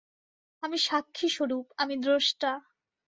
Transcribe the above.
আমি সাক্ষি-স্বরূপ, আমি দ্রষ্টা।